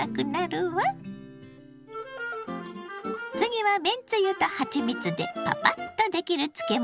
次はめんつゆとはちみつでパパッとできる漬物よ。